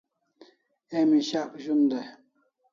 Emi shak zun dai